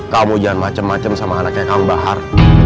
kamu jangan macem macem sama anaknya kamu mbak har